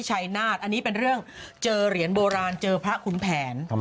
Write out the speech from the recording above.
อันนี้เป็นเรื่องเจอเหรียญโปโอราณเกี่ยวภาคขุมแผน